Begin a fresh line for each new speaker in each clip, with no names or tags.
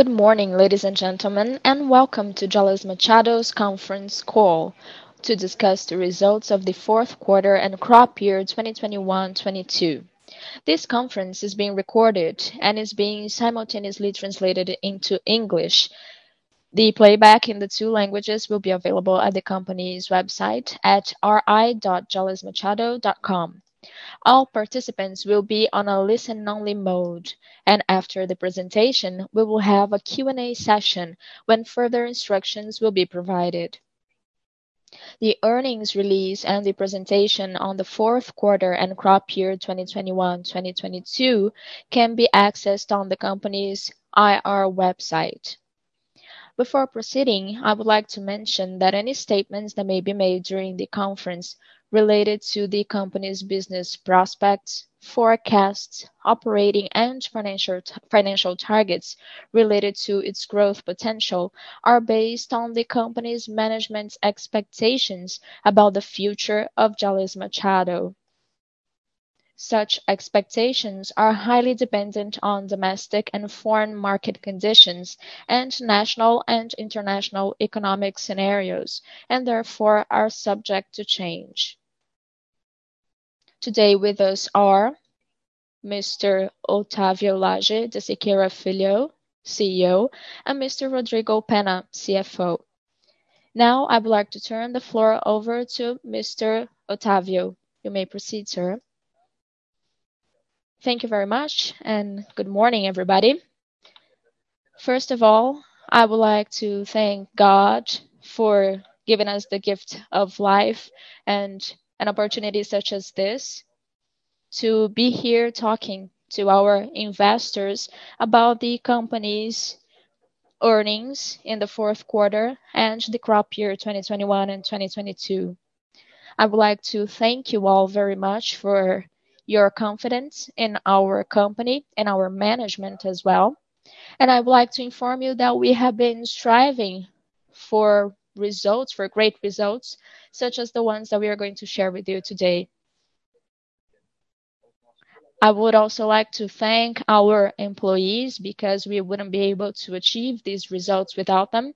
Good morning, ladies and gentlemen, and welcome to Jalles Machado's Conference Call to discuss the results of the fourth quarter and crop year 2021/2022. This conference is being recorded and is being simultaneously translated into English. The playback in the two languages will be available at the company's website at ri.jallesmachado.com. All participants will be on a listen-only mode, and after the presentation, we will have a Q&A session when further instructions will be provided. The earnings release and the presentation on the fourth quarter and crop year 2021/2022 can be accessed on the company's IR website. Before proceeding, I would like to mention that any statements that may be made during the conference related to the company's business prospects, forecasts, operating and financial targets related to its growth potential are based on the company's management's expectations about the future of Jalles Machado. Such expectations are highly dependent on domestic and foreign market conditions and national and international economic scenarios and therefore are subject to change. Today with us are Mr. Otávio Lage de Siqueira Filho, CEO, and Mr. Rodrigo Penna de Siqueira, CFO. Now, I would like to turn the floor over to Mr. Otávio. You may proceed, sir.
Thank you very much, and good morning, everybody. First of all, I would like to thank God for giving us the gift of life and an opportunity such as this to be here talking to our investors about the company's earnings in the fourth quarter and the crop year 2021/2022. I would like to thank you all very much for your confidence in our company and our management as well, and I would like to inform you that we have been striving for results, for great results, such as the ones that we are going to share with you today. I would also like to thank our employees because we wouldn't be able to achieve these results without them.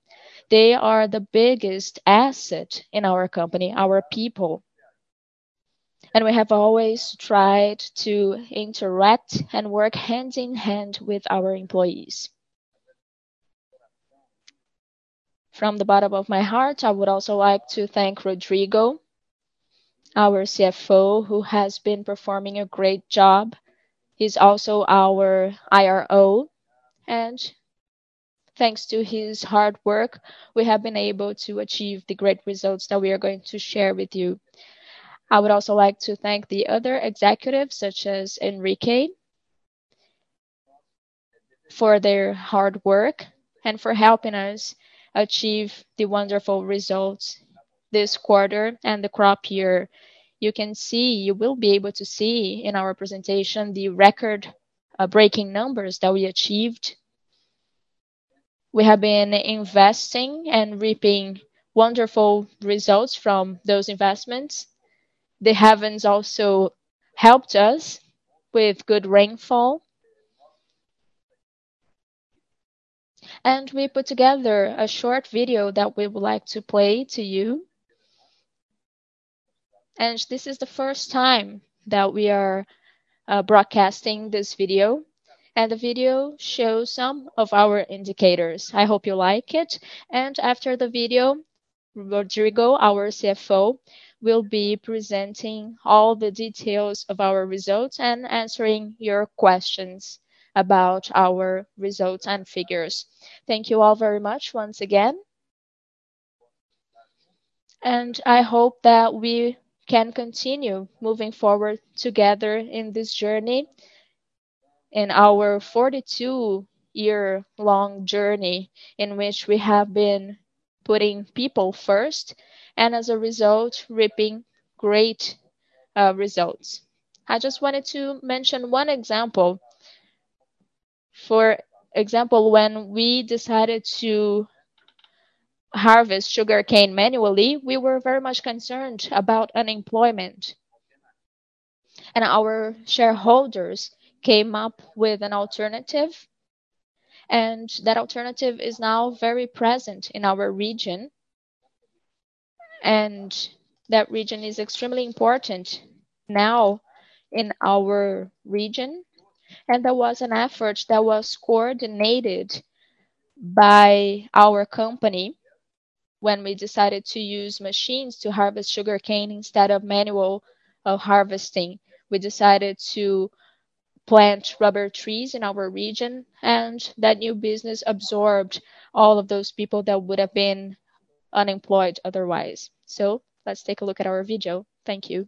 They are the biggest asset in our company, our people, and we have always tried to interact and work hand in hand with our employees. From the bottom of my heart, I would also like to thank Rodrigo, our CFO, who has been performing a great job. He's also our IRO, and thanks to his hard work, we have been able to achieve the great results that we are going to share with you. I would also like to thank the other executives, such as Henrique, for their hard work and for helping us achieve the wonderful results this quarter and the crop year. You will be able to see in our presentation the record-breaking numbers that we achieved. We have been investing and reaping wonderful results from those investments. The heavens also helped us with good rainfall. We put together a short video that we would like to play to you. This is the first time that we are broadcasting this video, and the video shows some of our indicators. I hope you like it. After the video, Rodrigo, our CFO, will be presenting all the details of our results and answering your questions about our results and figures. Thank you all very much once again. I hope that we can continue moving forward together in this journey, in our 42-year-long journey in which we have been putting people first and as a result, reaping great results. I just wanted to mention one example. For example, when we decided to harvest sugarcane manually, we were very much concerned about unemployment. Our shareholders came up with an alternative, and that alternative is now very present in our region. That region is extremely important now in our region. There was an effort that was coordinated by our company when we decided to use machines to harvest sugarcane instead of manual harvesting. We decided to plant rubber trees in our region, and that new business absorbed all of those people that would have been unemployed otherwise. Let's take a look at our video. Thank you.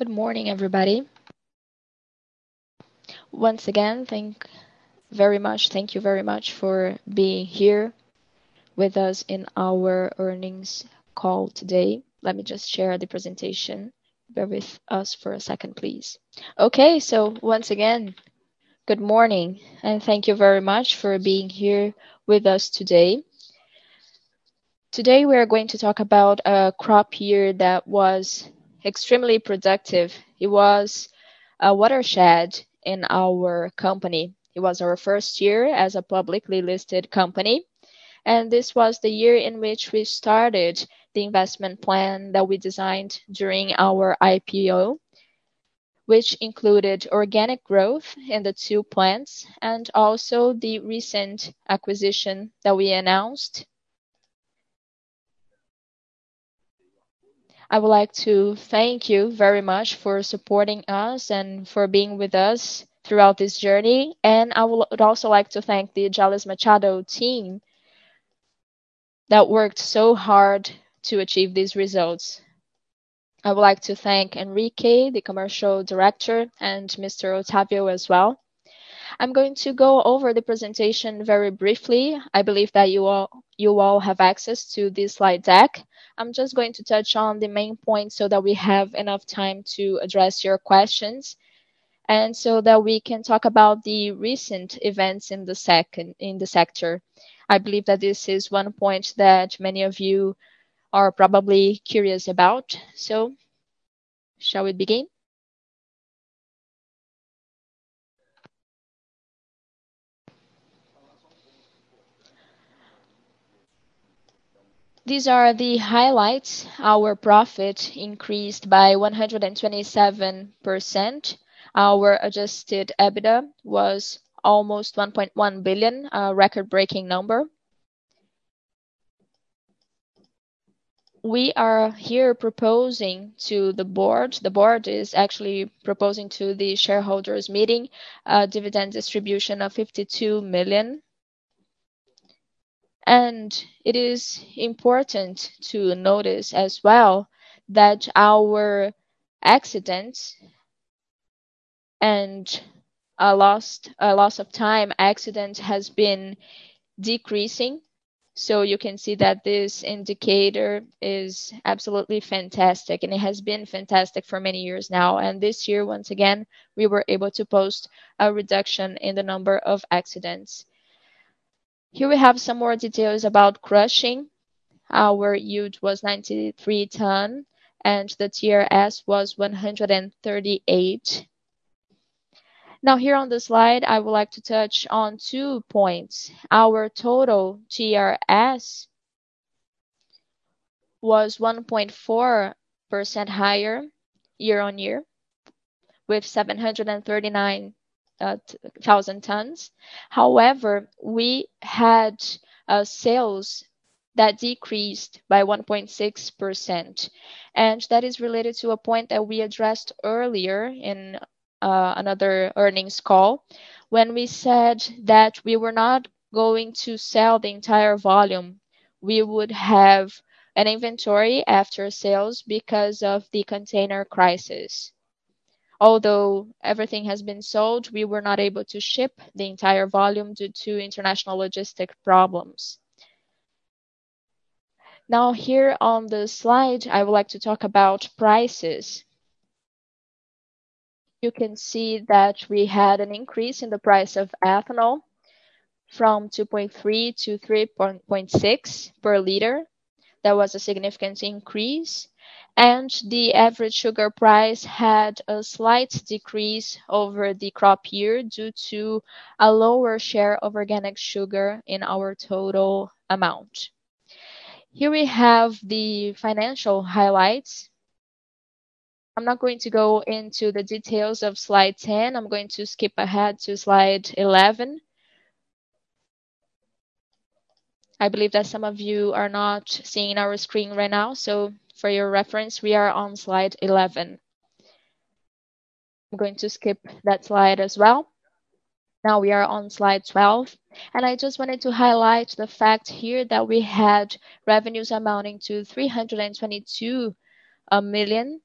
Good morning, everybody. Thank you very much for being here with us in our earnings call today. Let me just share the presentation. Bear with us for a second, please. Okay. Once again, good morning and thank you very much for being here with us today. Today we are going to talk about a crop year that was extremely productive. It was a watershed in our company. It was our first year as a publicly listed company, and this was the year in which we started the investment plan that we designed during our IPO, which included organic growth in the two plants and also the recent acquisition that we announced. I would like to thank you very much for supporting us and for being with us throughout this journey. I would also like to thank the Jalles Machado team that worked so hard to achieve these results. I would like to thank Henrique, the Commercial Director, and Mr. Otávio as well. I'm going to go over the presentation very briefly. I believe that you all have access to this slide deck. I'm just going to touch on the main points so that we have enough time to address your questions and so that we can talk about the recent events in the sector. I believe that this is one point that many of you are probably curious about. Shall we begin? These are the highlights. Our profit increased by 127%. Our adjusted EBITDA was almost 1.1 billion, a record-breaking number. We are here proposing to the board. The board is actually proposing to the shareholders' meeting a dividend distribution of 52 million. It is important to notice as well that our accidents and a lost-time accidents has been decreasing. You can see that this indicator is absolutely fantastic. It has been fantastic for many years now. This year, once again, we were able to post a reduction in the number of accidents. Here we have some more details about crushing. Our yield was 93 tons and the TRS was 138. Now here on this slide, I would like to touch on two points. Our total TRS was 1.4% higher year-on-year with 739,000 tons. However, we had sales that decreased by 1.6%. That is related to a point that we addressed earlier in another earnings call when we said that we were not going to sell the entire volume. We would have an inventory after sales because of the container crisis. Although everything has been sold, we were not able to ship the entire volume due to international logistics problems. Now, here on the slide, I would like to talk about prices. You can see that we had an increase in the price of ethanol from 2.3 to 3.6 per liter. That was a significant increase. The average sugar price had a slight decrease over the crop year due to a lower share of organic sugar in our total amount. Here we have the financial highlights. I'm not going to go into the details of slide 10. I'm going to skip ahead to slide 11. I believe that some of you are not seeing our screen right now, so for your reference, we are on slide 11. I'm going to skip that slide as well. Now we are on slide 12, and I just wanted to highlight the fact here that we had revenues amounting to 322 million.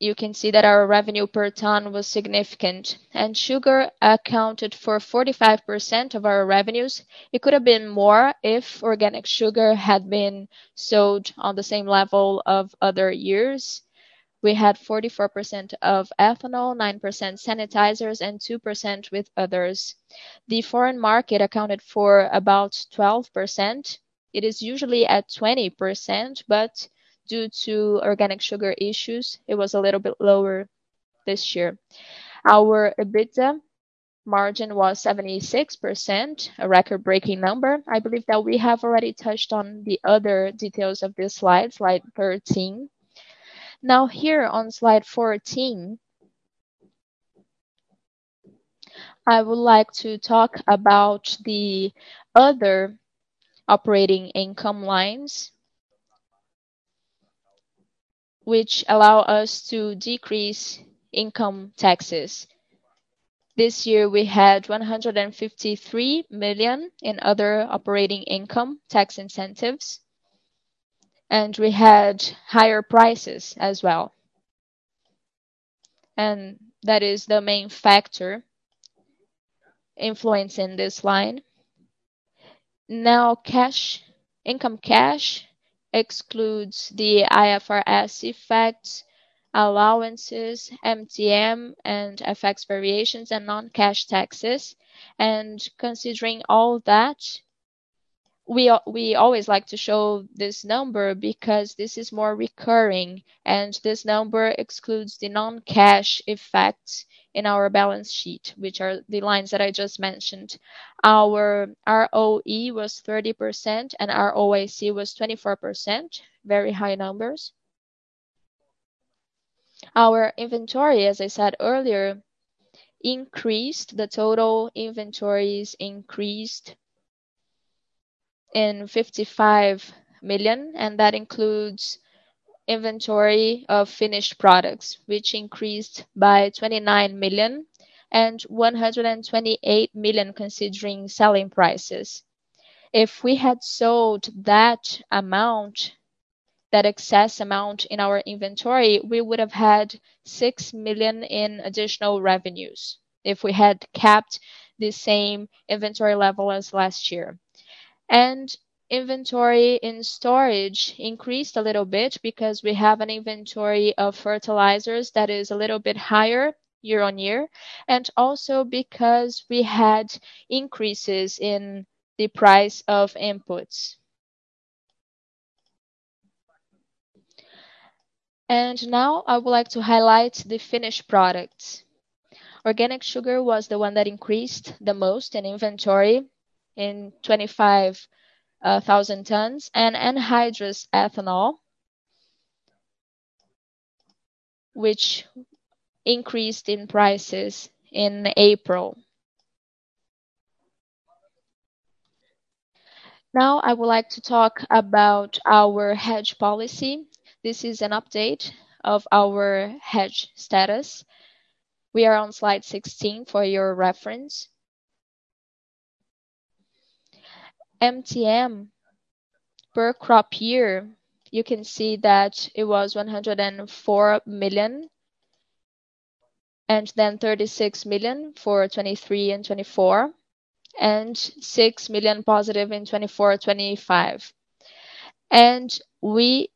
You can see that our revenue per ton was significant, and sugar accounted for 45% of our revenues. It could have been more if organic sugar had been sold on the same level of other years. We had 44% of ethanol, 9% sanitizers, and 2% with others. The foreign market accounted for about 12%. It is usually at 20%, but due to organic sugar issues, it was a little bit lower this year. Our EBITDA margin was 76%, a record-breaking number. I believe that we have already touched on the other details of this slide 13. Now here on slide 14, I would like to talk about the other operating income lines which allow us to decrease income taxes. This year we had 153 million in other operating income tax incentives, and we had higher prices as well. That is the main factor influencing this line. Now, cash income excludes the IFRS effects, allowances, MTM, and FX variations, and non-cash taxes. Considering all that, we always like to show this number because this is more recurring, and this number excludes the non-cash effects in our balance sheet, which are the lines that I just mentioned. Our ROE was 30% and our ROIC was 24%. Very high numbers. Our inventory, as I said earlier, increased. The total inventories increased by 55 million, and that includes inventory of finished products, which increased by 29 million and 128 million considering selling prices. If we had sold that amount, that excess amount in our inventory, we would have had 6 million in additional revenues if we had kept the same inventory level as last year. Inventory in storage increased a little bit because we have an inventory of fertilizers that is a little bit higher year-on-year, and also because we had increases in the price of inputs. Now I would like to highlight the finished products. Organic sugar was the one that increased the most in inventory in 25,000 tons and anhydrous ethanol, which increased in prices in April. Now I would like to talk about our hedge policy. This is an update of our hedge status. We are on slide 16 for your reference. MTM per crop year, you can see that it was 104 million and then 36 million for 2023 and 2024, and 6 million positive in 2024/2025. Now we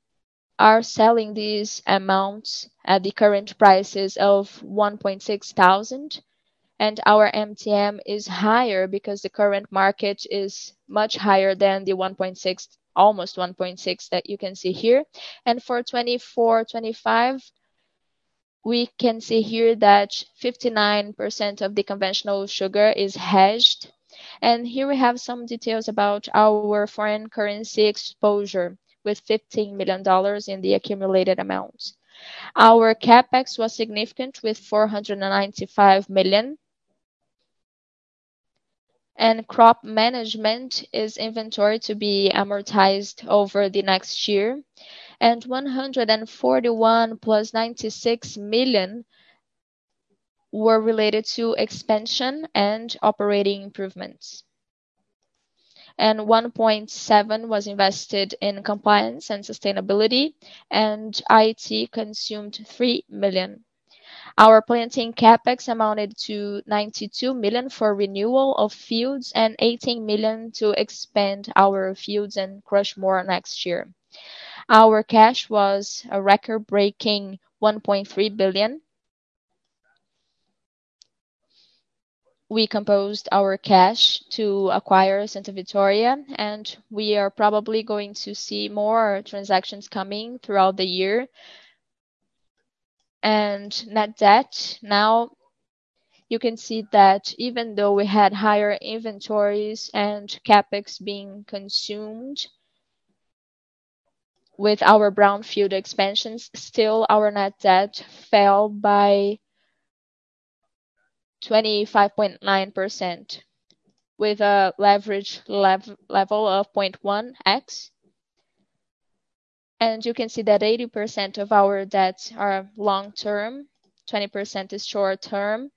are selling these amounts at the current prices of 1,600. Our MTM is higher because the current market is much higher than the 1.6 that you can see here. For 2024/2025, we can see here that 59% of the conventional sugar is hedged. Here we have some details about our foreign currency exposure with $15 million in the accumulated amount. Our CapEx was significant with 495 million. Crop management is inventory to be amortized over the next year. 141 million + 96 million were related to expansion and operating improvements. 1.7 was invested in compliance and sustainability, and IT consumed 3 million. Our planting CapEx amounted to 92 million for renewal of fields and 18 million to expand our fields and crush more next year. Our cash was a record-breaking BRL 1.3 billion. We used our cash to acquire Santa Vitória, and we are probably going to see more transactions coming throughout the year. Net debt. Now you can see that even though we had higher inventories and CapEx being consumed with our Brownfield expansions, still our net debt fell by 25.9% with a leverage level of 0.1x. You can see that 80% of our debts are long-term, 20% is short-term.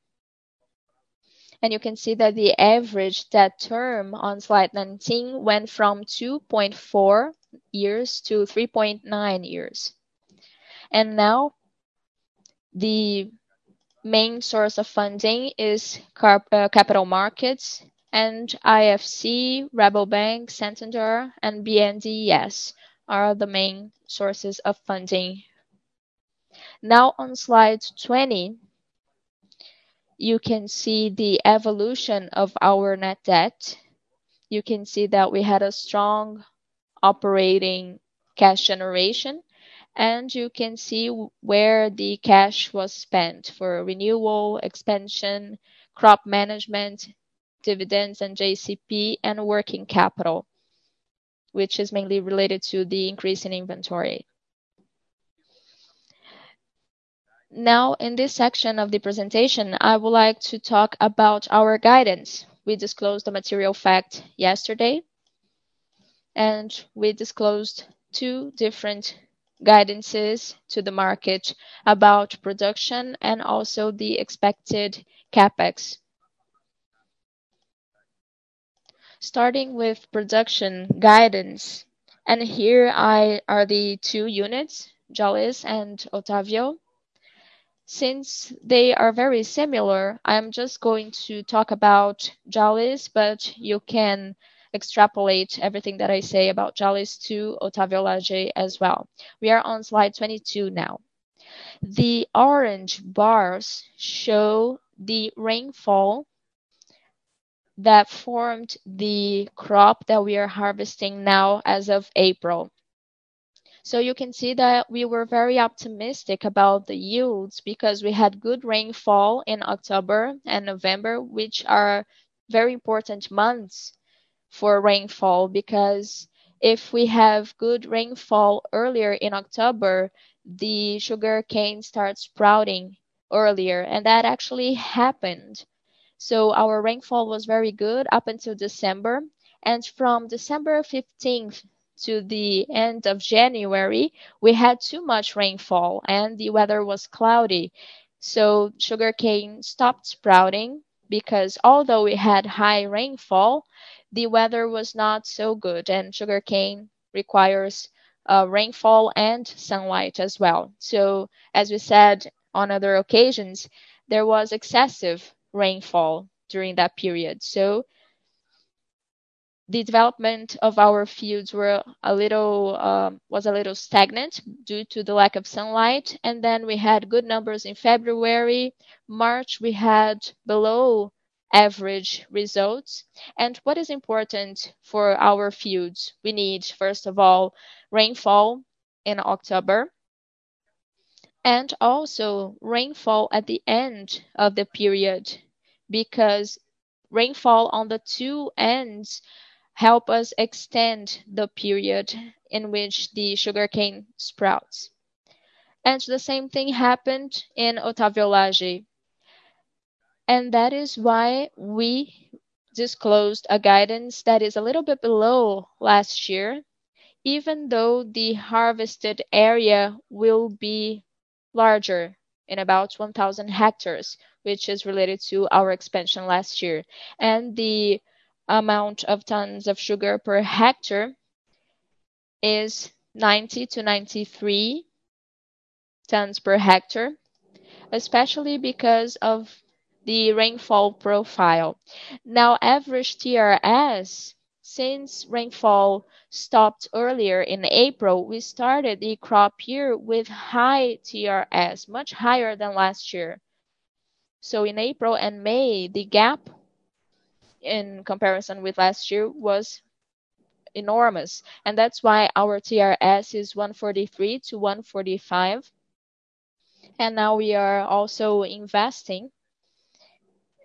You can see that the average debt term on slide 19 went from two point four years to three point nine years. Now the main source of funding is CRA, capital markets and IFC, Rabobank, Santander and BNDES are the main sources of funding. Now on slide 20, you can see the evolution of our net debt. You can see that we had a strong operating cash generation, and you can see where the cash was spent for renewal, expansion, crop management, dividends and JCP and working capital, which is mainly related to the increase in inventory. Now, in this section of the presentation, I would like to talk about our guidance. We disclosed a material fact yesterday, and we disclosed two different guidances to the market about production and also the expected CapEx. Starting with production guidance, and here are the two units, Jalles and Otávio. Since they are very similar, I'm just going to talk about Jalles, but you can extrapolate everything that I say about Jalles to Otávio Lage as well. We are on slide 22 now. The orange bars show the rainfall that formed the crop that we are harvesting now as of April. You can see that we were very optimistic about the yields because we had good rainfall in October and November, which are very important months for rainfall because if we have good rainfall earlier in October, the sugarcane starts sprouting earlier. That actually happened. Our rainfall was very good up until December, and from December fifteenth to the end of January, we had too much rainfall and the weather was cloudy. Sugarcane stopped sprouting because although we had high rainfall, the weather was not so good and sugarcane requires rainfall and sunlight as well. As we said on other occasions, there was excessive rainfall during that period. The development of our fields was a little stagnant due to the lack of sunlight, and then we had good numbers in February. March, we had below average results. What is important for our fields, we need, first of all, rainfall in October and also rainfall at the end of the period, because rainfall on the two ends help us extend the period in which the sugarcane sprouts. The same thing happened in Otávio Lage. That is why we disclosed a guidance that is a little bit below last year, even though the harvested area will be larger in about 1,000 hectares, which is related to our expansion last year. The amount of tons of sugar per hectare is 90-93 tons per hectare, especially because of the rainfall profile. Now average TRS, since rainfall stopped earlier in April, we started the crop year with high TRS, much higher than last year. In April and May, the gap in comparison with last year was enormous, and that's why our TRS is 143 to 145. Now we are also investing,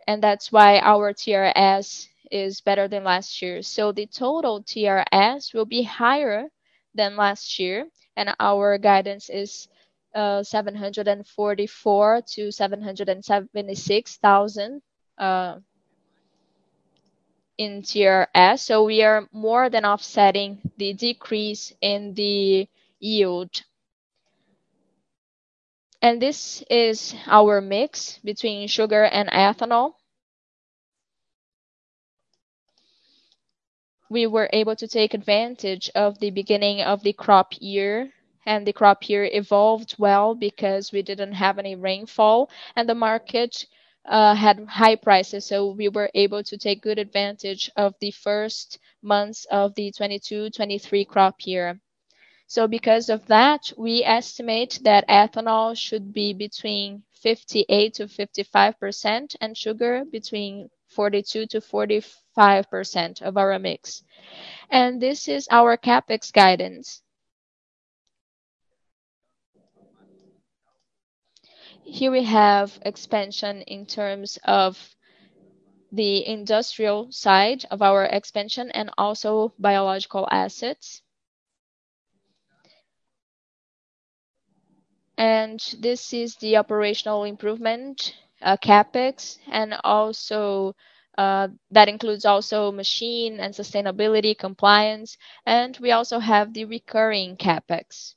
and that's why our TRS is better than last year. The total TRS will be higher than last year, and our guidance is 744 to 776 thousand in TRS, so we are more than offsetting the decrease in the yield. This is our mix between sugar and ethanol. We were able to take advantage of the beginning of the crop year, and the crop year evolved well because we didn't have any rainfall and the market had high prices, so we were able to take good advantage of the first months of the 2022-2023 crop year. Because of that, we estimate that ethanol should be between 58% to 55% and sugar between 42% to 45% of our mix. This is our CapEx guidance. Here we have expansion in terms of the industrial side of our expansion and also biological assets. This is the operational improvement, CapEx and also, that includes also machine and sustainability compliance, and we also have the recurring CapEx.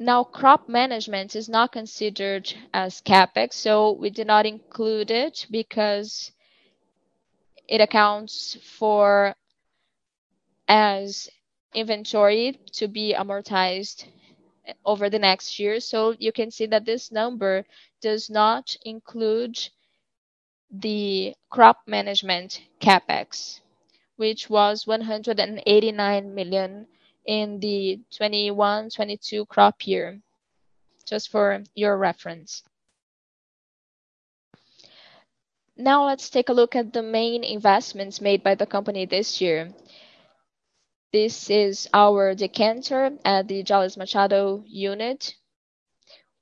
Now crop management is not considered as CapEx, so we did not include it because it accounts for as inventory to be amortized over the next year. You can see that this number does not include the crop management CapEx, which was 189 million in the 2021-2022 crop year, just for your reference. Now let's take a look at the main investments made by the company this year. This is our decanter at the Jalles Machado unit.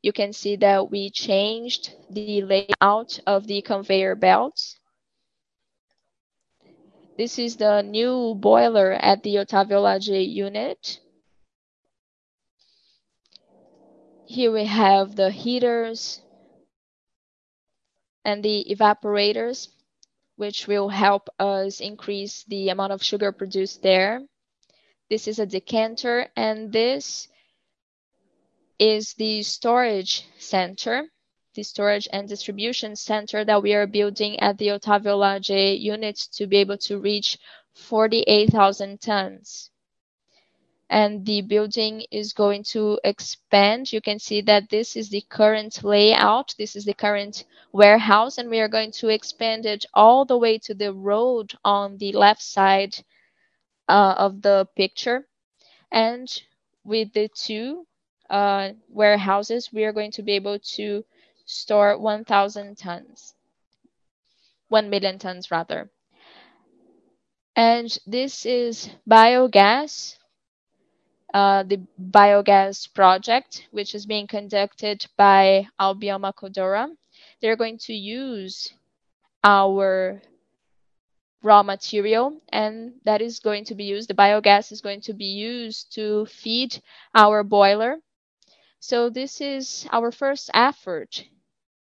You can see that we changed the layout of the conveyor belts. This is the new boiler at the Otávio Lage unit. Here we have the heaters and the evaporators, which will help us increase the amount of sugar produced there. This is a decanter, and this is the storage center, the storage and distribution center that we are building at the Otávio Lage unit to be able to reach 48,000 tons. The building is going to expand. You can see that this is the current layout. This is the current warehouse, and we are going to expand it all the way to the road on the left side of the picture. With the two warehouses, we are going to be able to store 1,000 tons. 1 million tons, rather. This is biogas, the biogas project, which is being conducted by Albioma Codora. They're going to use our raw material, and that is going to be used. The biogas is going to be used to feed our boiler. This is our first effort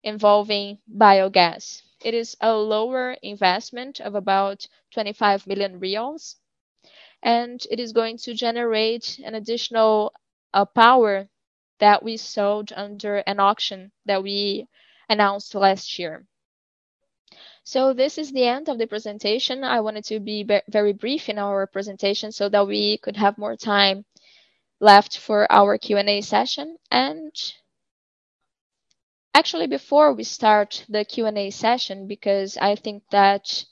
involving biogas. It is a lower investment of about 25 million reais, and it is going to generate an additional power that we sold under an auction that we announced last year. This is the end of the presentation. I wanted to be very brief in our presentation so that we could have more time left for our Q&A session. Actually, before we start the Q&A session, because I think that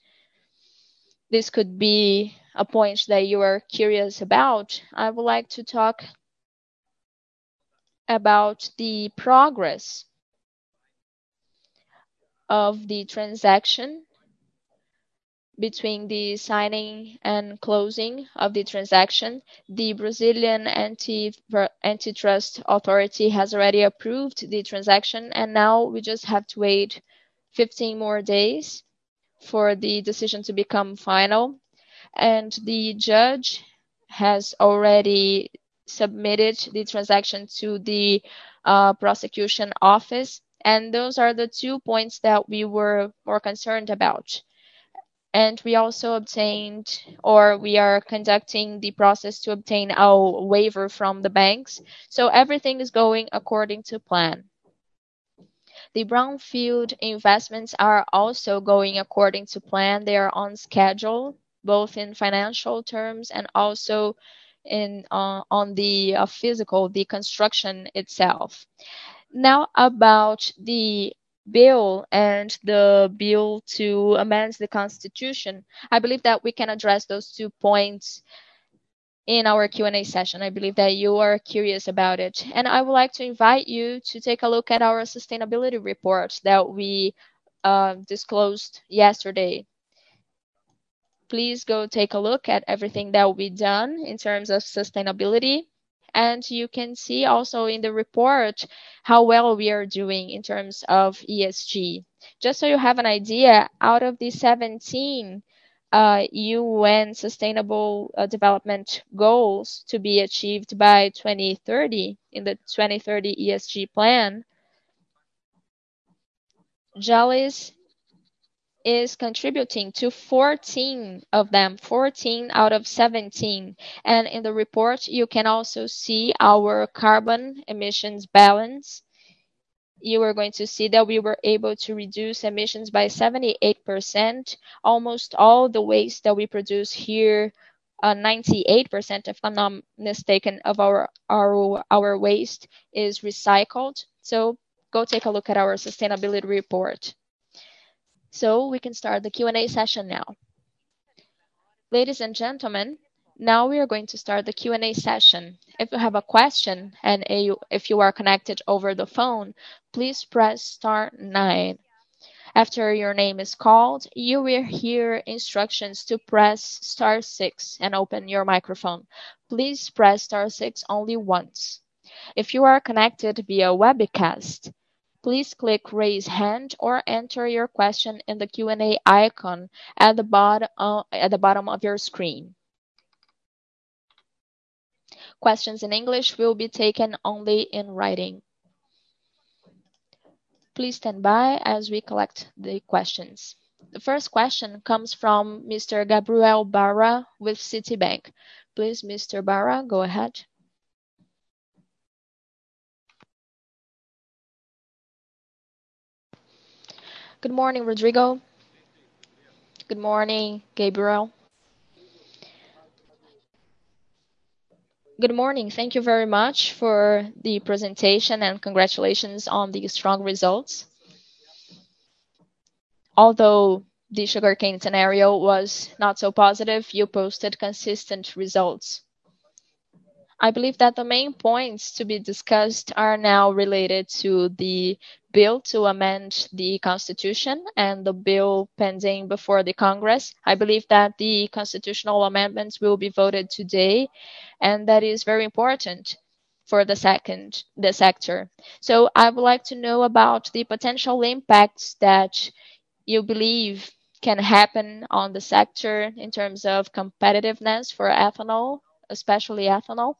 this could be a point that you are curious about, I would like to talk about the progress of the transaction between the signing and closing of the transaction. The Brazilian Antitrust Authority has already approved the transaction, and now we just have to wait 15 more days for the decision to become final. The judge has already submitted the transaction to the prosecution office, and those are the two points that we were more concerned about. We also obtained, or we are conducting the process to obtain our waiver from the banks. Everything is going according to plan. The brownfield investments are also going according to plan. They are on schedule, both in financial terms and also in the physical construction itself. Now about the bill and the Bill to Amend the Constitution, I believe that we can address those two points in our Q&A session. I believe that you are curious about it. I would like to invite you to take a look at our sustainability report that we disclosed yesterday. Please go take a look at everything that we've done in terms of sustainability, and you can see also in the report how well we are doing in terms of ESG. Just so you have an idea, out of the 17 UN Sustainable Development Goals to be achieved by 2030 in the 2030 ESG plan Jalles is contributing to 14 of them, 14 out of 17. In the report, you can also see our carbon emissions balance. You are going to see that we were able to reduce emissions by 78%. Almost all the waste that we produce here, 98%, if I'm not mistaken, of our waste is recycled. Go take a look at our sustainability report. We can start the Q&A session now.
Ladies and gentlemen, now we are going to start the Q&A session. If you have a question and if you are connected over the phone, please press star nine. After your name is called, you will hear instructions to press star six and open your microphone. Please press star six only once. If you are connected via webcast, please click Raise Hand or enter your question in the Q&A icon at the bottom of your screen. Questions in English will be taken only in writing. Please stand by as we collect the questions. The first question comes from Mr. Gabriel Barra with Citibank. Please, Mr. Barra, go ahead.
Good morning, Rodrigo.
Good morning, Gabriel.
Good morning. Thank you very much for the presentation, and congratulations on the strong results. Although the sugarcane scenario was not so positive, you posted consistent results. I believe that the main points to be discussed are now related to the Bill to Amend the Constitution and the bill pending before the Congress. I believe that the constitutional amendments will be voted today, and that is very important for the sector. I would like to know about the potential impacts that you believe can happen on the sector in terms of competitiveness for ethanol, especially ethanol.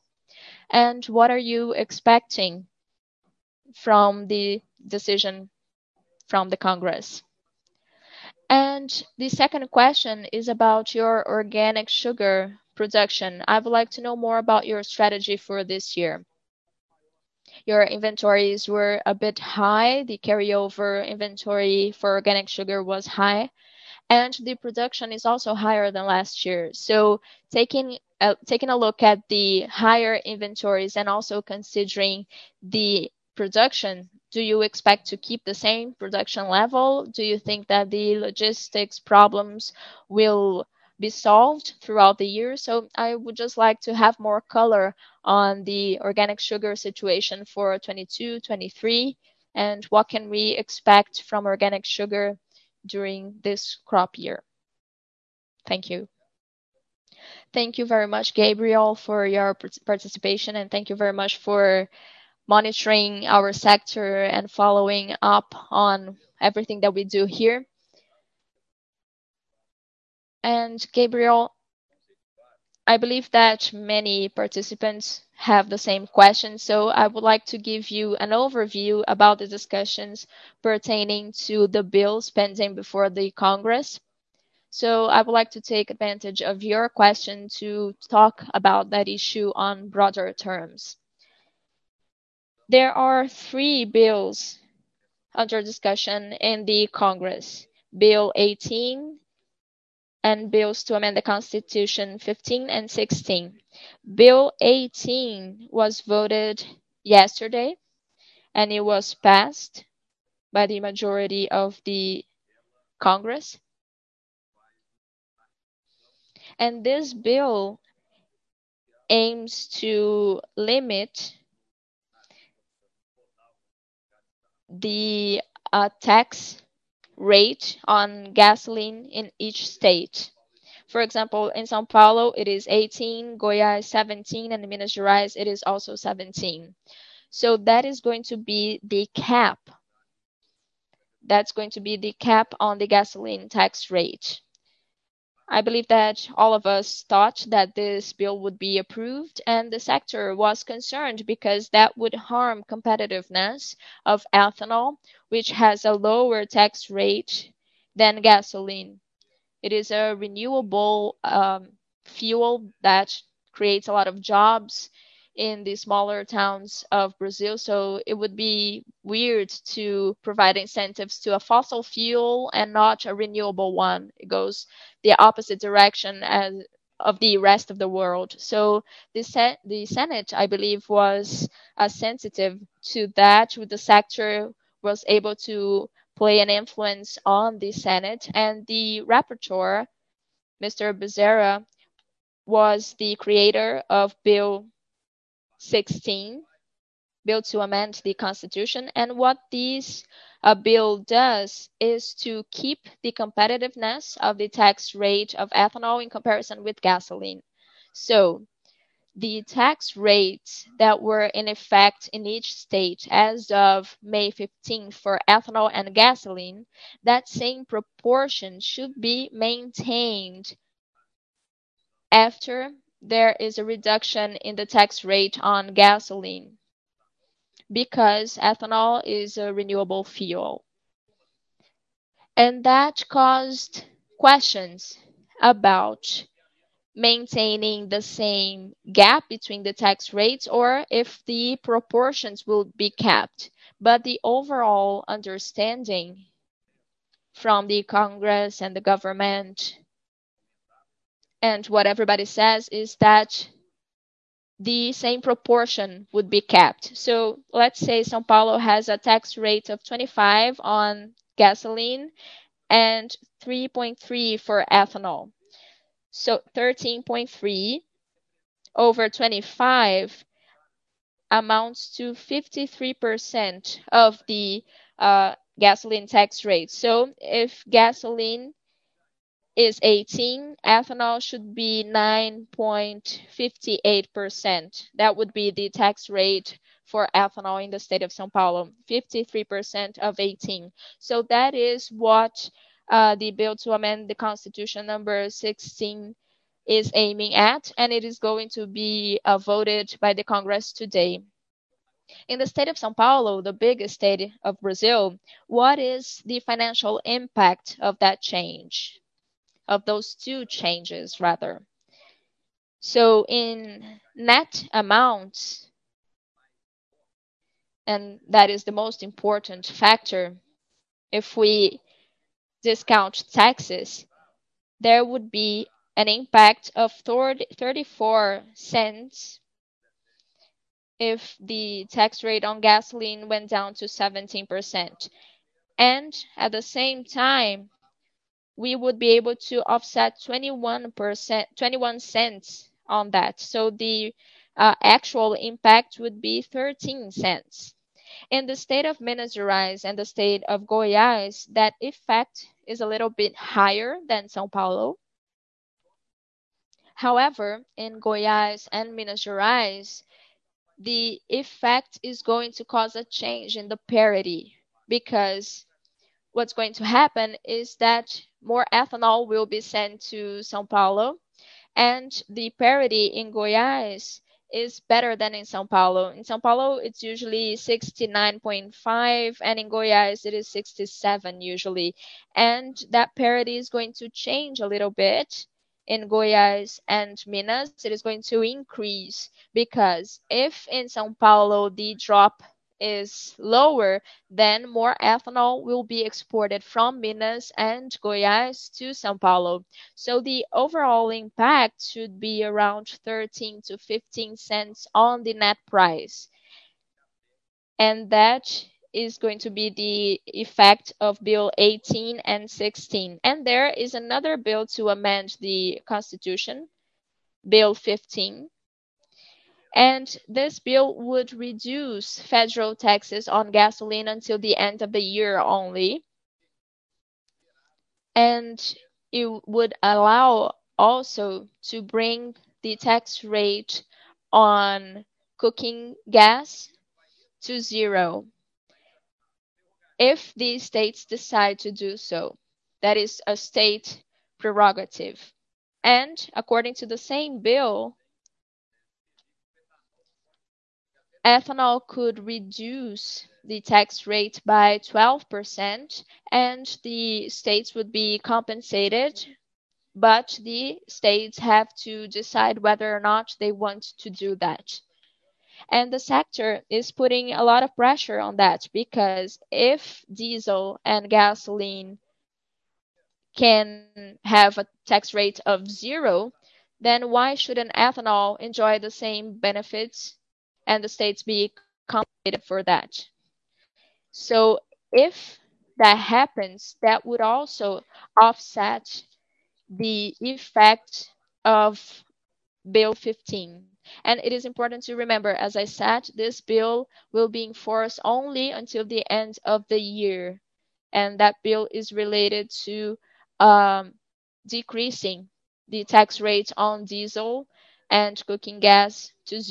What are you expecting from the decision from the Congress? The second question is about your organic sugar production. I would like to know more about your strategy for this year. Your inventories were a bit high. The carryover inventory for organic sugar was high, and the production is also higher than last year. Taking a look at the higher inventories and also considering the production, do you expect to keep the same production level? Do you think that the logistics problems will be solved throughout the year? I would just like to have more color on the organic sugar situation for 2022, 2023, and what can we expect from organic sugar during this crop year? Thank you.
Thank you very much, Gabriel, for your participation, and thank you very much for monitoring our sector and following up on everything that we do here. Gabriel, I believe that many participants have the same question, so I would like to give you an overview about the discussions pertaining to the bills pending before the Congress. I would like to take advantage of your question to talk about that issue on broader terms. There are three bills under discussion in the Congress. Bill 18 and bills to amend the Constitution 15 and 16. Bill 18 was voted yesterday, and it was passed by the majority of the Congress. This bill aims to limit the tax rate on gasoline in each state. For example, in São Paulo it is 18, Goiás 17, and Minas Gerais it is also 17. That is going to be the cap. That's going to be the cap on the gasoline tax rate. I believe that all of us thought that this bill would be approved, and the sector was concerned because that would harm competitiveness of ethanol, which has a lower tax rate than gasoline. It is a renewable fuel that creates a lot of jobs in the smaller towns of Brazil, so it would be weird to provide incentives to a fossil fuel and not a renewable one. It goes the opposite direction of the rest of the world. The Senate, I believe, was sensitive to that, with the sector, was able to play an influence on the Senate. The rapporteur, Mr. Bezerra, was the creator of Bill 16, Bill to Amend the Constitution. What this bill does is to keep the competitiveness of the tax rate of ethanol in comparison with gasoline. The tax rates that were in effect in each state as of May 15th for ethanol and gasoline, that same proportion should be maintained after there is a reduction in the tax rate on gasoline, because ethanol is a renewable fuel. That caused questions about maintaining the same gap between the tax rates or if the proportions will be kept. The overall understanding from the Congress and the government and what everybody says is that the same proportion would be kept. Let's say São Paulo has a tax rate of 25 on gasoline and 3.3 for ethanol. 13.3 over 25 amounts to 53% of the gasoline tax rate. If gasoline is 18, ethanol should be 9.58%. That would be the tax rate for ethanol in the State of São Paulo, 53% of 18. That is what the Bill to Amend the Constitution number 16 is aiming at, and it is going to be voted by the Congress today. In the State of São Paulo, the biggest state of Brazil, what is the financial impact of that change? Of those two changes, rather. In net amount, and that is the most important factor, if we discount taxes, there would be an impact of 0.34 if the tax rate on gasoline went down to 17%. At the same time, we would be able to offset 0.21 on that. The actual impact would be 0.13. In the state of Minas Gerais and the State of Goiás, that effect is a little bit higher than São Paulo. However, in Goiás and Minas Gerais, the effect is going to cause a change in the parity, because what's going to happen is that more ethanol will be sent to São Paulo, and the parity in Goiás is better than in São Paulo. In São Paulo, it's usually 69.5%, and in Goiás it is 67% usually. That parity is going to change a little bit in Goiás and Minas. It is going to increase because if in São Paulo the drop is lower, then more ethanol will be exported from Minas and Goiás to São Paulo. The overall impact should be around $0.13-$0.15 on the net price. That is going to be the effect of PEC 18 and 16. There is another Bill to Amend the Constitution, PEC 15, and this bill would reduce federal taxes on gasoline until the end of the year only. It would allow also to bring the tax rate on cooking gas to zero if the states decide to do so. That is a state prerogative. According to the same bill, ethanol could reduce the tax rate by 12% and the states would be compensated, but the states have to decide whether or not they want to do that. The sector is putting a lot of pressure on that, because if diesel and gasoline can have a tax rate of 0%, then why shouldn't ethanol enjoy the same benefits and the states be compensated for that? If that happens, that would also offset the effect of PEC 15. It is important to remember, as I said, this bill will be in force only until the end of the year, and that bill is related to decreasing the tax rate on diesel and cooking gas to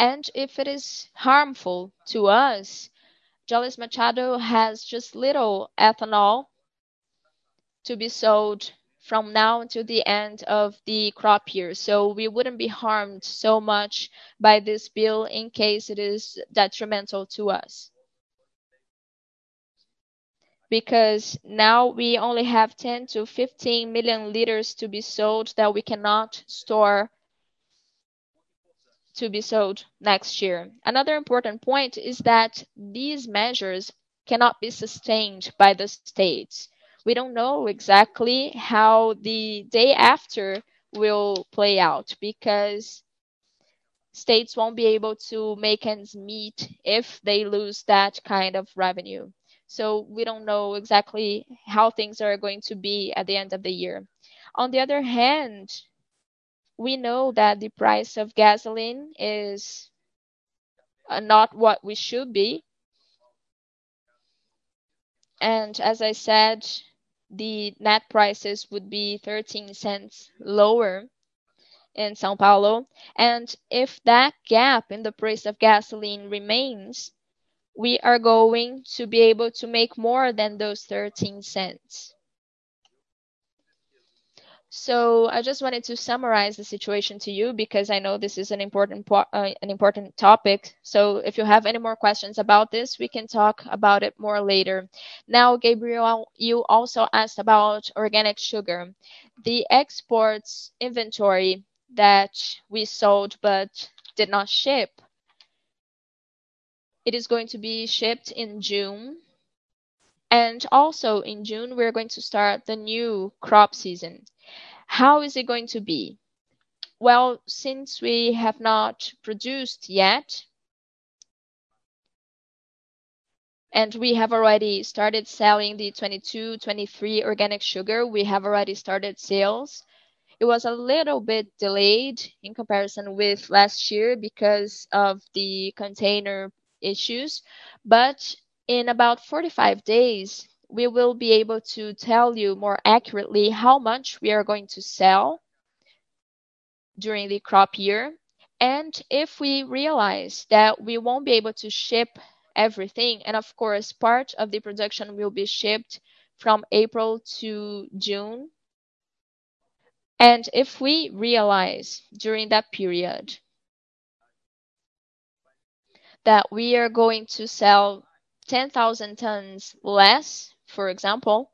0%. If it is harmful to us, Jalles Machado has just little ethanol to be sold from now to the end of the crop year. We wouldn't be harmed so much by this bill in case it is detrimental to us. Because now we only have 10-15 million liters to be sold that we cannot store to be sold next year. Another important point is that these measures cannot be sustained by the states. We don't know exactly how the day after will play out because states won't be able to make ends meet if they lose that kind of revenue. We don't know exactly how things are going to be at the end of the year. On the other hand, we know that the price of gasoline is not what we should be. As I said, the net prices would be $0.13 lower in São Paulo. If that gap in the price of gasoline remains, we are going to be able to make more than those $0.13. I just wanted to summarize the situation to you because I know this is an important topic. If you have any more questions about this, we can talk about it more later. Now, Gabriel, you also asked about organic sugar. The exports inventory that we sold but did not ship, it is going to be shipped in June. Also in June, we are going to start the new crop season. How is it going to be? Well, since we have not produced yet, and we have already started selling the 2022-2023 organic sugar, we have already started sales. It was a little bit delayed in comparison with last year because of the container issues. In about 45 days, we will be able to tell you more accurately how much we are going to sell during the crop year. If we realize that we won't be able to ship everything, and of course, part of the production will be shipped from April to June. If we realize during that period that we are going to sell 10,000 tons less, for example,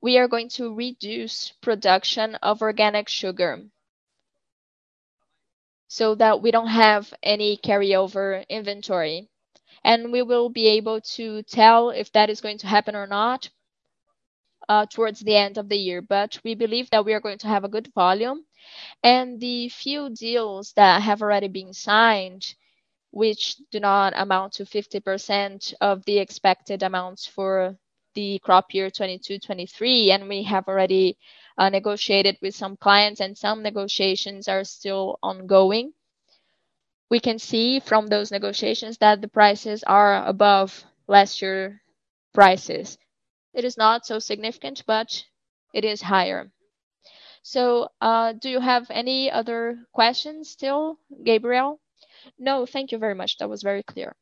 we are going to reduce production of organic sugar so that we don't have any carryover inventory. We will be able to tell if that is going to happen or not, towards the end of the year. We believe that we are going to have a good volume. The few deals that have already been signed, which do not amount to 50% of the expected amounts for the crop year 2022/2023, and we have already negotiated with some clients and some negotiations are still ongoing. We can see from those negotiations that the prices are above last year prices. It is not so significant, but it is higher. Do you have any other questions still, Gabriel Barra?
No, thank you very much. That was very clear.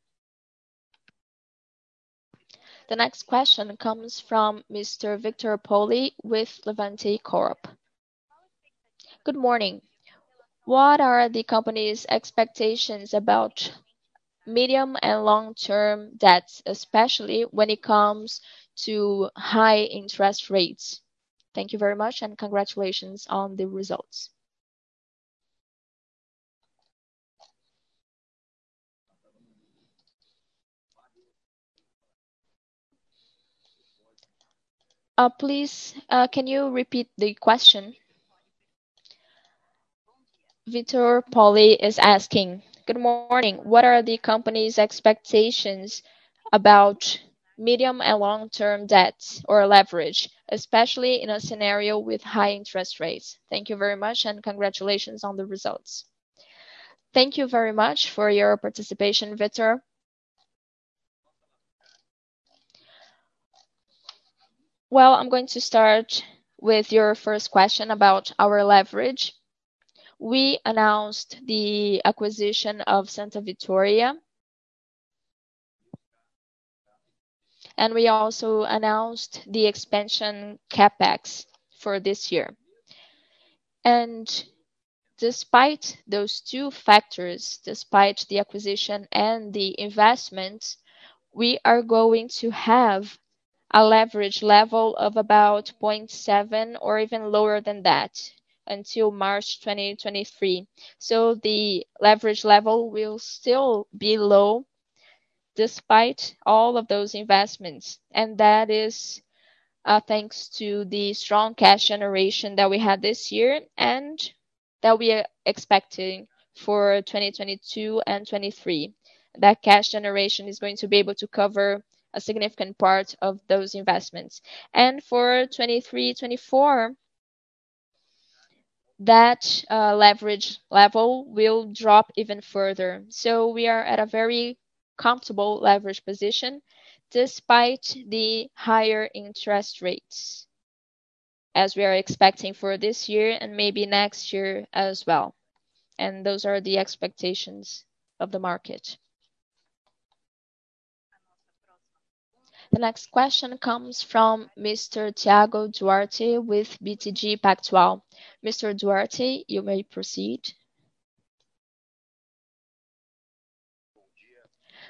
The next question comes from Mr. Victor Poli with Levante Corp.
Good morning. What are the company's expectations about medium and long-term debts, especially when it comes to high interest rates? Thank you very much, and congratulations on the results.
Please, can you repeat the question?
Victor Poli is asking. Good morning. What are the company's expectations about medium and long-term debts or leverage, especially in a scenario with high interest rates? Thank you very much, and congratulations on the results.
Thank you very much for your participation, Victor. Well, I'm going to start with your first question about our leverage. We announced the acquisition of Santa Vitória. We also announced the expansion CapEx for this year. Despite those two factors, despite the acquisition and the investment, we are going to have a leverage level of about 0.7 or even lower than that until March 2023. The leverage level will still be low despite all of those investments, and that is thanks to the strong cash generation that we had this year and that we are expecting for 2022 and 2023. That cash generation is going to be able to cover a significant part of those investments. For 2023/2024, that leverage level will drop even further. We are at a very comfortable leverage position despite the higher interest rates as we are expecting for this year and maybe next year as well. Those are the expectations of the market.
The next question comes from Mr. Thiago Duarte with BTG Pactual. Mr. Duarte, you may proceed.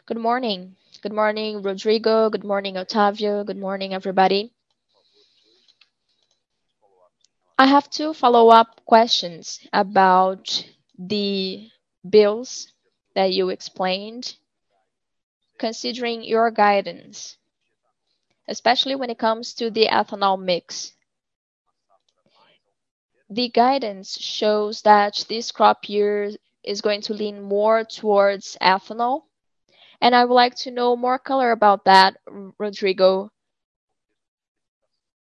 Good morning. Good morning, Rodrigo. Good morning, Otávio. Good morning, everybody. I have two follow-up questions about the bills that you explained, considering your guidance, especially when it comes to the ethanol mix. The guidance shows that this crop year is going to lean more towards ethanol, and I would like to know more color about that, Rodrigo.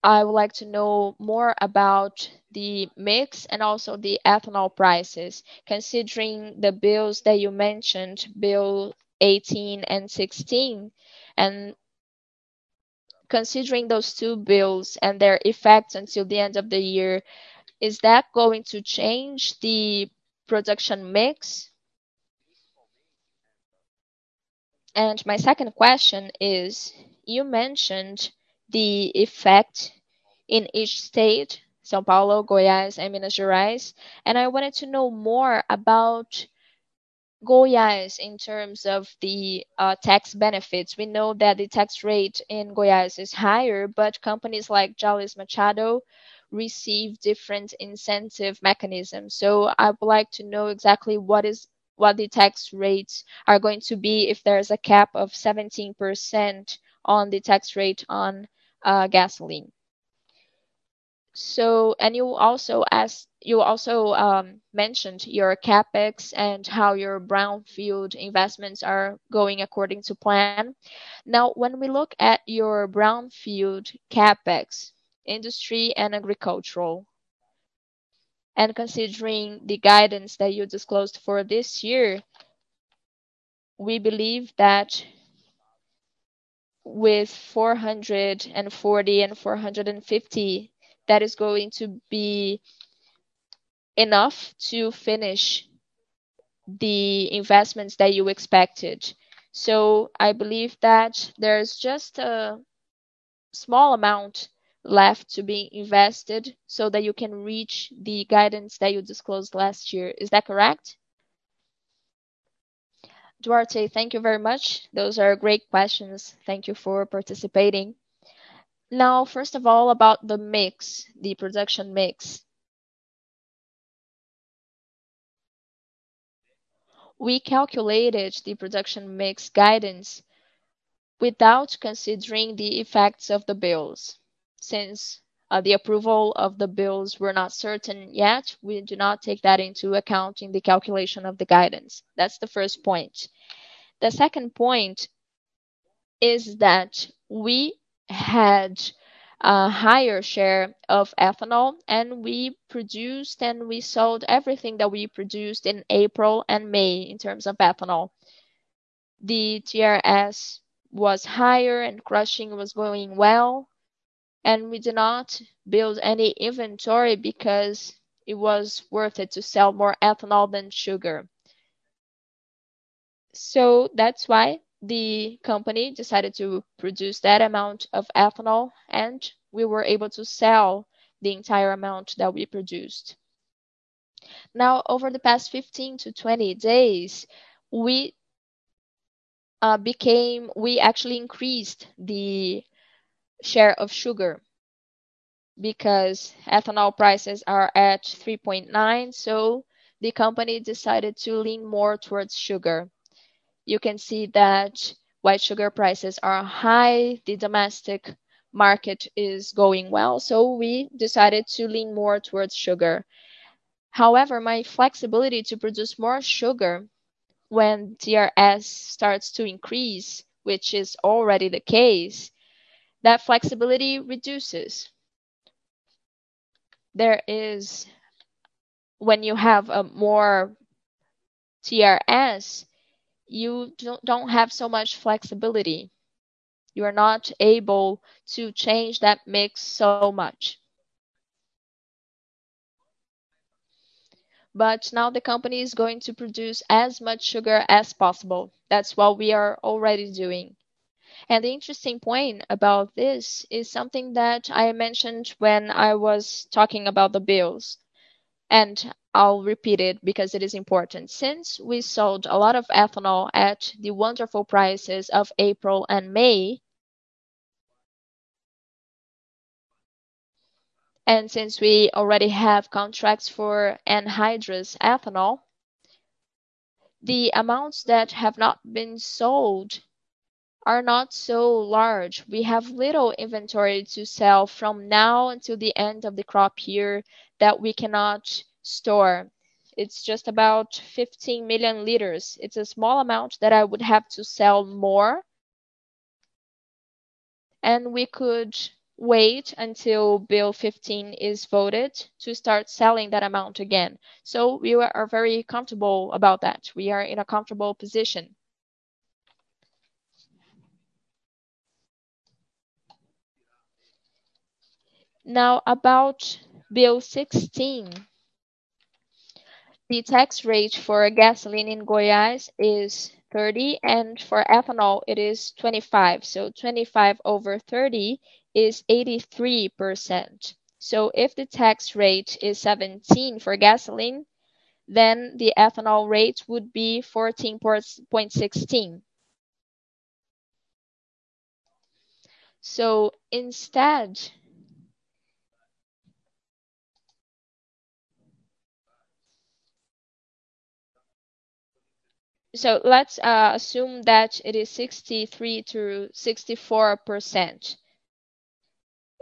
I would like to know more about the mix and also the ethanol prices, considering the bills that you mentioned, Bill 18 and 16. Considering those two bills and their effects until the end of the year, is that going to change the production mix? My second question is, you mentioned the effect in each state, São Paulo, Goiás, and Minas Gerais, and I wanted to know more about Goiás in terms of the tax benefits. We know that the tax rate in Goiás is higher, but companies like Jalles Machado receive different incentive mechanisms. I would like to know exactly what the tax rates are going to be if there is a cap of 17% on the tax rate on gasoline. You also mentioned your CapEx and how your brownfield investments are going according to plan. Now, when we look at your brownfield CapEx industrial and agricultural, and considering the guidance that you disclosed for this year, we believe that with 440-450, that is going to be enough to finish the investments that you expected. I believe that there's just a small amount left to be invested so that you can reach the guidance that you disclosed last year. Is that correct?
Duarte, thank you very much. Those are great questions. Thank you for participating. Now, first of all, about the mix, the production mix. We calculated the production mix guidance without considering the effects of the bills. Since the approval of the bills were not certain yet, we do not take that into account in the calculation of the guidance. That's the first point. The second point is that we had a higher share of ethanol, and we produced and we sold everything that we produced in April and May in terms of ethanol. The TRS was higher and crushing was going well, and we did not build any inventory because it was worth it to sell more ethanol than sugar. That's why the company decided to produce that amount of ethanol, and we were able to sell the entire amount that we produced. Now, over the past 15-20 days, we actually increased the share of sugar because ethanol prices are at 3.9, so the company decided to lean more towards sugar. You can see that white sugar prices are high. The domestic market is going well, we decided to lean more towards sugar. However, my flexibility to produce more sugar when TRS starts to increase, which is already the case, that flexibility reduces. When you have more TRS, you don't have so much flexibility. You're not able to change that mix so much. Now the company is going to produce as much sugar as possible. That's what we are already doing. The interesting point about this is something that I mentioned when I was talking about the bills, and I'll repeat it because it is important. Since we sold a lot of ethanol at the wonderful prices of April and May, and since we already have contracts for anhydrous ethanol, the amounts that have not been sold are not so large. We have little inventory to sell from now until the end of the crop year that we cannot store. It's just about 15 million liters. It's a small amount that I would have to sell more. We could wait until PEC 15 is voted to start selling that amount again. We are very comfortable about that. We are in a comfortable position. Now, about PEC 16/2022. The tax rate for gasoline in Goiás is 30%, and for ethanol it is 25%. 25 over 30 is 83%. If the tax rate is 17% for gasoline, then the ethanol rate would be 14.16%. Instead. Let's assume that it is 63%-64%.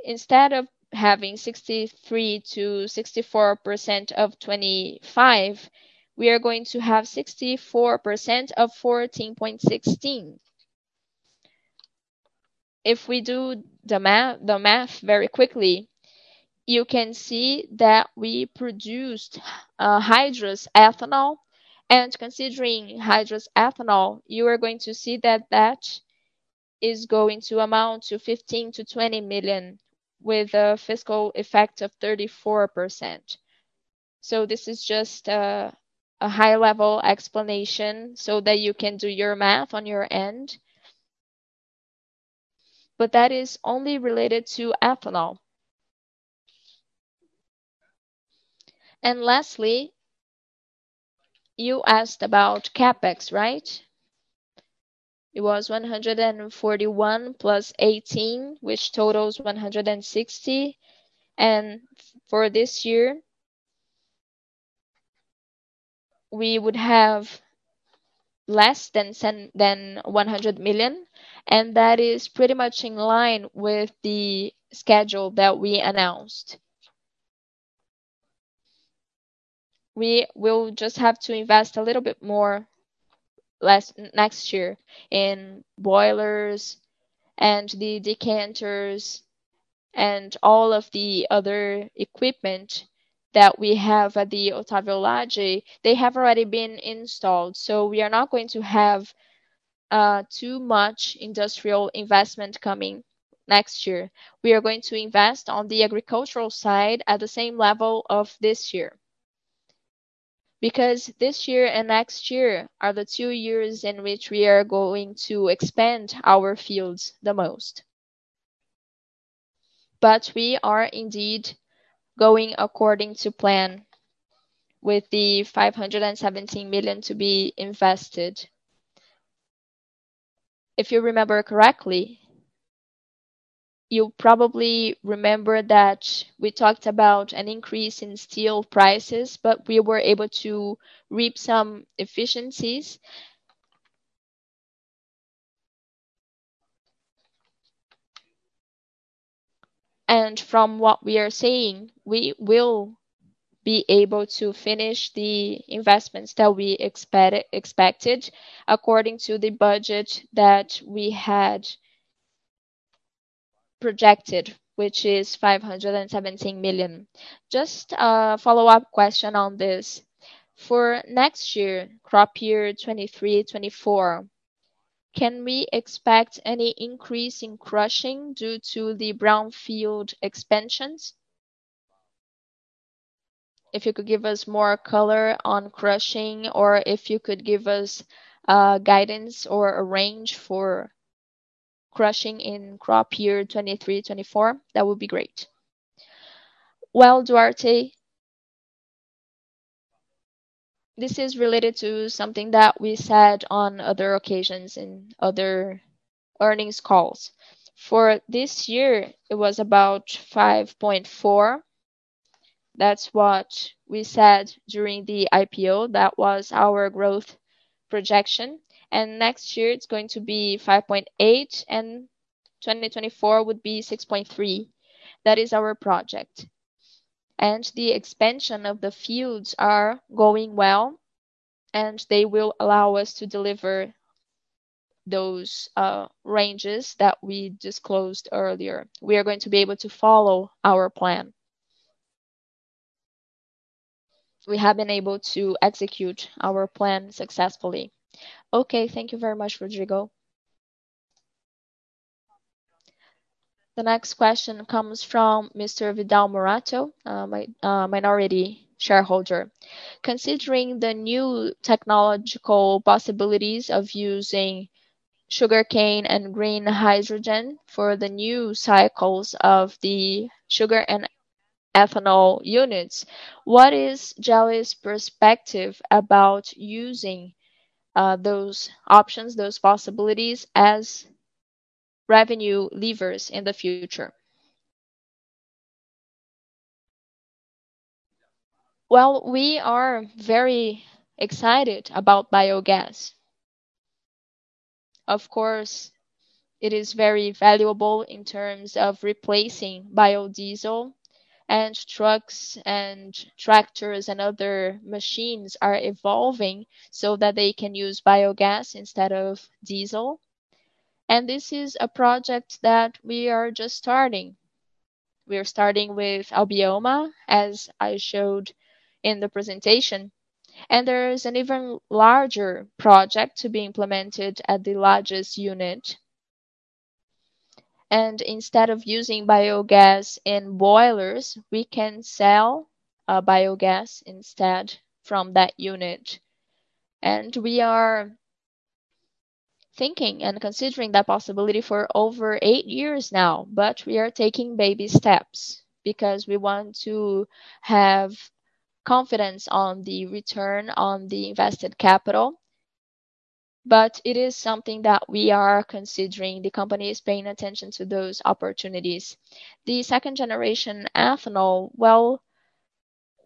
Instead of having 63%-64% of 25, we are going to have 64% of 14.16. If we do the math very quickly, you can see that we produced hydrous ethanol. Considering hydrous ethanol, you are going to see that that is going to amount to 15 million-20 million with a fiscal effect of 34%. This is just a high-level explanation so that you can do your math on your end. That is only related to ethanol. Lastly, you asked about CapEx, right? It was 141 + 18, which totals 160. For this year we would have less than 100 million, and that is pretty much in line with the schedule that we announced. We will just have to invest a little bit more next year in boilers and the decanters and all of the other equipment that we have at the Otávio Lage. They have already been installed, so we are not going to have too much industrial investment coming next year. We are going to invest on the agricultural side at the same level of this year. Because this year and next year are the two years in which we are going to expand our fields the most. We are indeed going according to plan with the 517 million to be invested. If you remember correctly, you'll probably remember that we talked about an increase in steel prices, but we were able to reap some efficiencies. From what we are saying, we will be able to finish the investments that we expected according to the budget that we had projected, which is 517 million. Just a follow-up question on this.
For next year, crop year 2023-24, can we expect any increase in crushing due to the brownfield expansions? If you could give us more color on crushing or if you could give us guidance or a range for crushing in crop year 2023-24, that would be great. Well, Duarte, this is related to something that we said on other occasions in other earnings calls. For this year, it was about 5.4. That's what we said during the IPO. That was our growth projection. Next year it's going to be 5.8, and 2024 would be 6.3. That is our projection. The expansion of the fields are going well, and they will allow us to deliver those ranges that we disclosed earlier. We are going to be able to follow our plan. We have been able to execute our plan successfully. Okay. Thank you very much, Rodrigo.
The next question comes from Mr. Vidal Morato, minority shareholder.
Considering the new technological possibilities of using sugarcane and green hydrogen for the new cycles of the sugar and ethanol units, what is Jalles' perspective about using those options, those possibilities as revenue levers in the future?
Well, we are very excited about biogas. Of course, it is very valuable in terms of replacing biodiesel and trucks and tractors and other machines are evolving so that they can use biogas instead of diesel. This is a project that we are just starting. We are starting with Albioma, as I showed in the presentation. There is an even larger project to be implemented at the largest unit. Instead of using biogas in boilers, we can sell biogas instead from that unit. We are thinking and considering that possibility for over 8 years now. We are taking baby steps because we want to have confidence on the return on the invested capital. It is something that we are considering. The company is paying attention to those opportunities. The second-generation ethanol, well,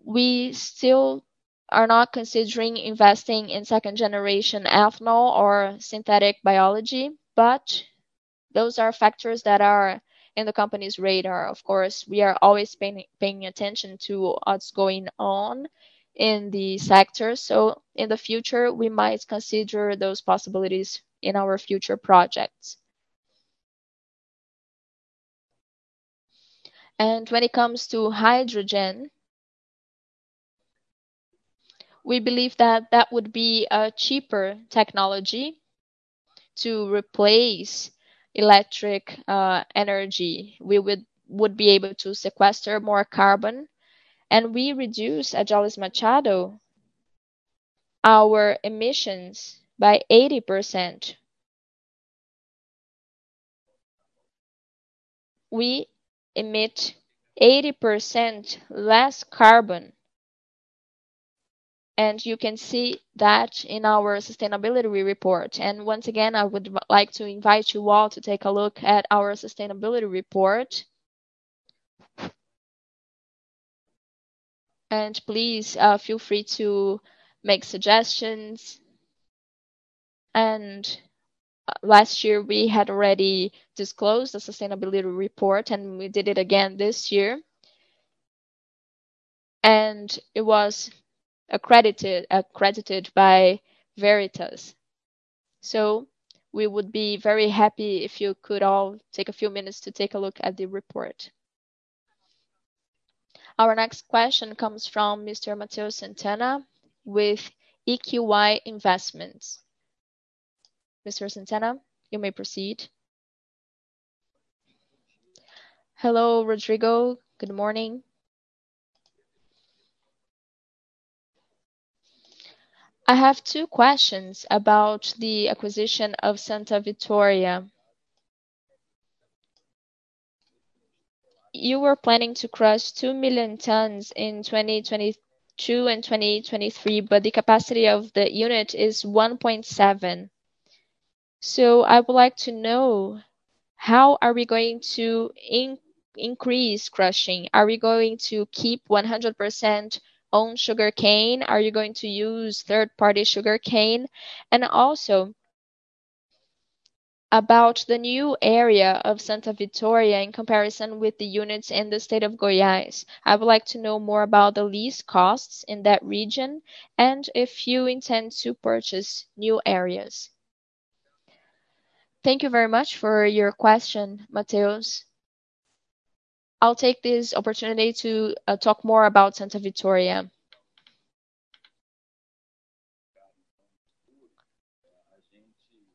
we still are not considering investing in second-generation ethanol or synthetic biology, but those are factors that are in the company's radar. Of course, we are always paying attention to what's going on in the sector. In the future, we might consider those possibilities in our future projects. When it comes to hydrogen, we believe that that would be a cheaper technology to replace electric energy. We would be able to sequester more carbon and we reduce at Jalles Machado our emissions by 80%. We emit 80% less carbon, and you can see that in our sustainability report. Once again, I would like to invite you all to take a look at our sustainability report. Please, feel free to make suggestions. Last year, we had already disclosed a sustainability report, and we did it again this year. It was accredited by Veritas. We would be very happy if you could all take a few minutes to take a look at the report.
Our next question comes from Mr. Mateus Santana with EQI Investments. Mr. Santana, you may proceed.
Hello, Rodrigo. Good morning. I have two questions about the acquisition of Santa Vitória. You were planning to crush 2 million tons in 2022 and 2023, but the capacity of the unit is 1.7. I would like to know how are we going to increase crushing? Are we going to keep 100% own sugarcane? Are you going to use third-party sugarcane? And also about the new area of Santa Vitória in comparison with the units in the State of Goiás. I would like to know more about the lease costs in that region and if you intend to purchase new areas. Thank you very much for your question, Mateus. I'll take this opportunity to talk more about Santa Vitória.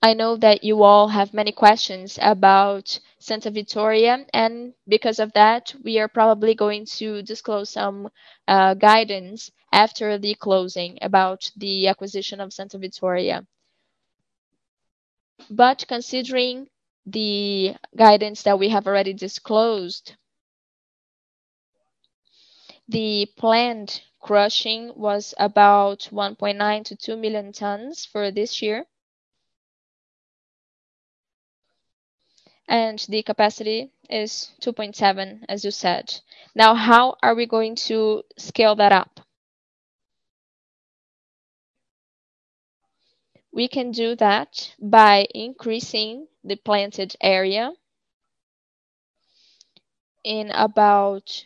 I know that you all have many questions about Santa Vitória, and because of that, we are probably going to disclose some guidance after the closing about the acquisition of Santa Vitória.
Considering the guidance that we have already disclosed, the planned crushing was about 1.9-2 million tons for this year. The capacity is 2.7, as you said. Now, how are we going to scale that up? We can do that by increasing the planted area in about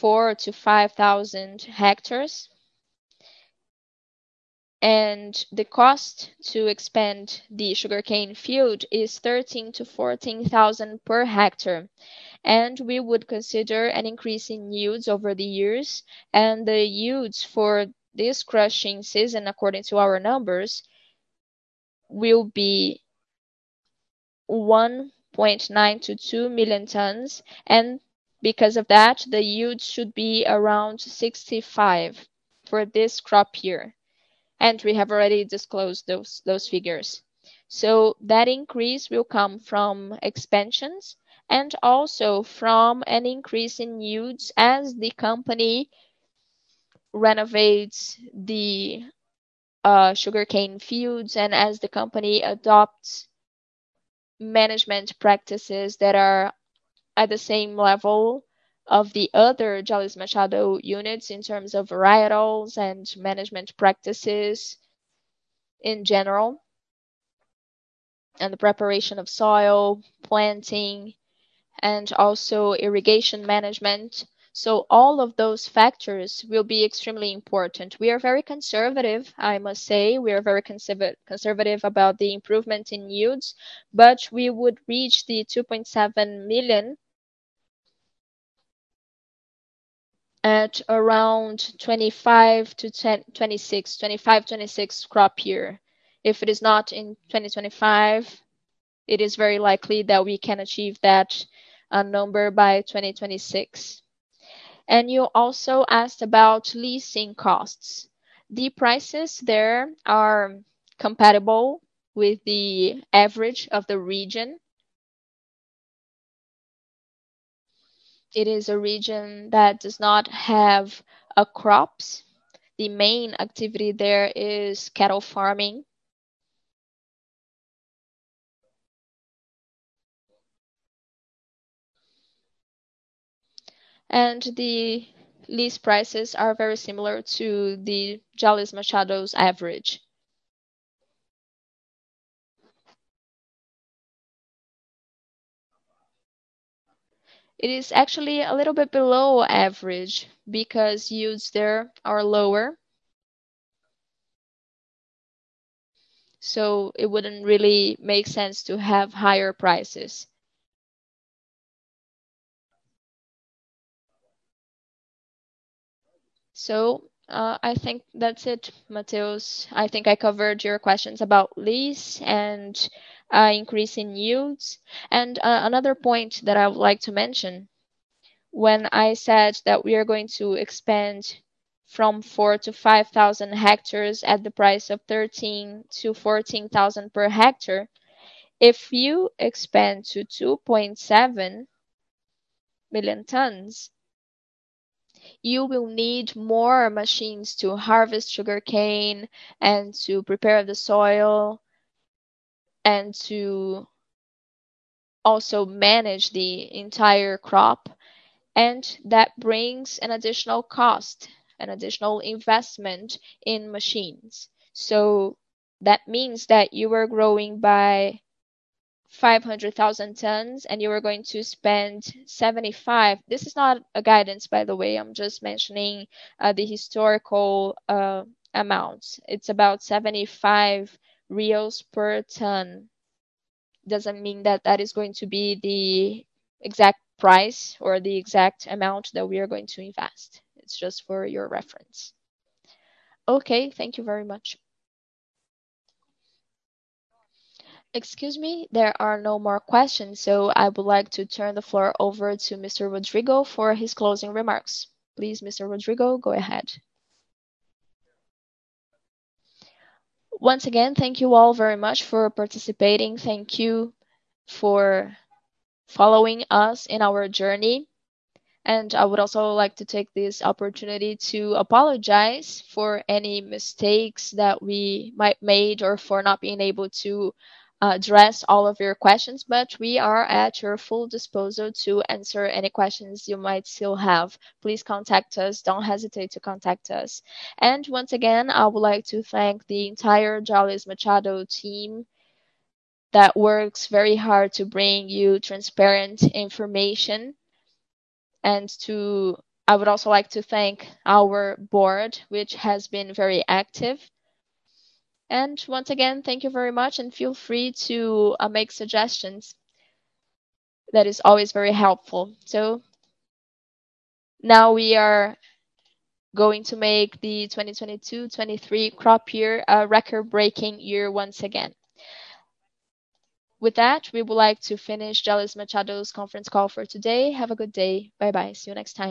4,000-5,000 hectares. The cost to expand the sugarcane field is 13,000-14,000 per hectare. We would consider an increase in yields over the years. The yields for this crushing season, according to our numbers, will be 1.9-2 million tons. Because of that, the yield should be around 65 for this crop year. We have already disclosed those figures. That increase will come from expansions and also from an increase in yields as the company renovates the sugarcane fields and as the company adopts management practices that are at the same level of the other Jalles Machado units in terms of varietals and management practices in general, and the preparation of soil, planting, and also irrigation management. All of those factors will be extremely important. We are very conservative, I must say. We are very conservative about the improvement in yields, but we would reach the 2.7 million at around 25-26. 25-26 crop year. If it is not in 2025, it is very likely that we can achieve that number by 2026. You also asked about leasing costs. The prices there are compatible with the average of the region. It is a region that does not have crops. The main activity there is cattle farming. The lease prices are very similar to the Jalles Machado's average. It is actually a little bit below average because yields there are lower. It wouldn't really make sense to have higher prices. I think that's it, Mateus. I think I covered your questions about lease and increase in yields. Another point that I would like to mention, when I said that we are going to expand from 4,000-5,000 hectares at the price of 13,000-14,000 per hectare, if you expand to 2.7 million tons, you will need more machines to harvest sugarcane and to prepare the soil and to also manage the entire crop, and that brings an additional cost, an additional investment in machines. That means that you are growing by 500,000 tons, and you are going to spend 75. This is not a guidance, by the way. I'm just mentioning the historical amounts. It's about 75 reais per ton. Doesn't mean that is going to be the exact price or the exact amount that we are going to invest. It's just for your reference.
Okay, thank you very much.
Excuse me, there are no more questions, so I would like to turn the floor over to Mr. Rodrigo for his closing remarks. Please, Mr. Rodrigo, go ahead.
Once again, thank you all very much for participating. Thank you for following us in our journey, and I would also like to take this opportunity to apologize for any mistakes that we might made or for not being able to address all of your questions, but we are at your full disposal to answer any questions you might still have. Please contact us. Don't hesitate to contact us. Once again, I would like to thank the entire Jalles Machado team that works very hard to bring you transparent information. I would also like to thank our board, which has been very active. Once again, thank you very much and feel free to make suggestions. That is always very helpful. Now we are going to make the 2022/2023 crop year a record-breaking year once again. With that, we would like to finish Jalles Machado's conference call for today. Have a good day. Bye-bye. See you next time.